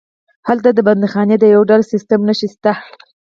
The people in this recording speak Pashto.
هلته د بندیخانې د یو ډول سیسټم نښې شته.